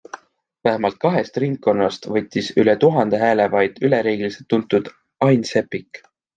Vähemalt kahest ringkonnast võttis üle tuhande hääle vaid üleriigiliselt tuntud Ain Seppik.